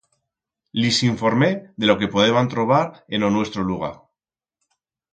Lis s'informé de lo que podeban trobar en lo nuestro lugar.